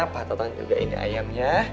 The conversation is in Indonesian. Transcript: pak tatang juga ini ayamnya